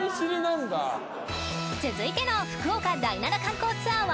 続いての「福岡第７観光ツアー」は？